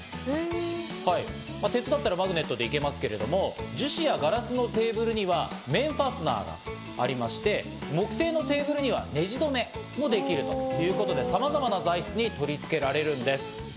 鉄だったらマグネットでいけますけども樹脂やガラスのテーブルには面ファスナーがありまして、木製のテーブルにはねじ止めもできるということで、様々な材質に取り付けられるんです。